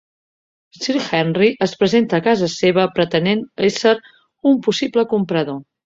Sir Henry es presenta a casa seva pretenent ésser un possible comprador.